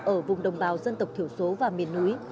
ở vùng đồng bào dân tộc thiểu số và miền núi